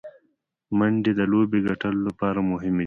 منډې د لوبي ګټلو له پاره مهمي دي.